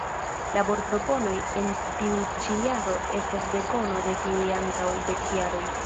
Laborproponoj en tiu ĉi jaro estas dekono de tiuj antaŭ dek jaroj.